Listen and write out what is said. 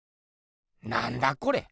なんだこれ。